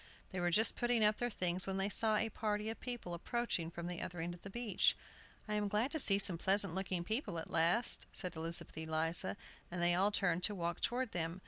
They were just putting up their things when they saw a party of people approaching from the other end of the beach. "I am glad to see some pleasant looking people at last," said Elizabeth Eliza, and they all turned to walk toward them.